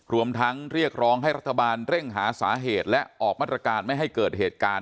รวมทั้งเรียกร้องให้รัฐบาลเร่งหาสาเหตุและออกมาตรการไม่ให้เกิดเหตุการณ์